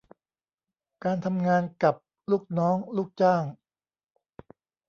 การทำงานกับลูกน้องลูกจ้าง